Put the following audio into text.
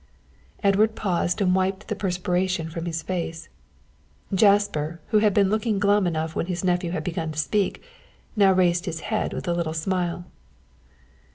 Edward paused and wiped the perspiration from his face. Jasper, who had been looking glum enough when his nephew had begun to speak, now raised his head with a little smile.